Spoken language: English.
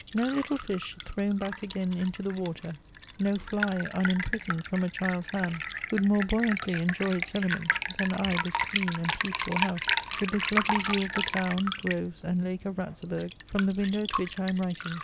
No little fish thrown back again into the water, no fly unimprisoned from a child's hand, could more buoyantly enjoy its element, than I this clean and peaceful house, with this lovely view of the town, groves, and lake of Ratzeburg, from the window at which I am writing.